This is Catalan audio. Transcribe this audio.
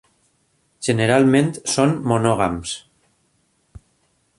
Generalment són monògams.